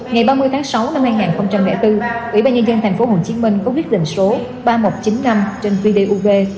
ngày ba mươi tháng sáu năm hai nghìn bốn ủy ban nhân dân tp hcm có quyết định số ba nghìn một trăm chín mươi năm trên vdub